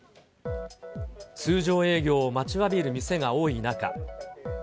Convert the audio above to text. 通常営業を待ちわびる店が多い中。